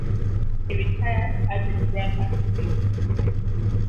He retired as a Grand Admiral.